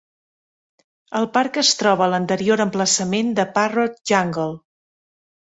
El parc es troba a l'anterior emplaçament de Parrot Jungle.